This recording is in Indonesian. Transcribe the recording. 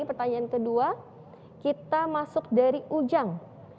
pertanyaan kedua kita masuk dari ujang